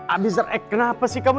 abisar eh kenapa sih kamu